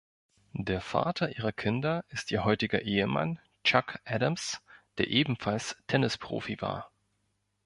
Der Vater ihrer Kinder ist ihr heutiger Ehemann Chuck Adams, der ebenfalls Tennisprofi war.